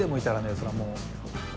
それはもう。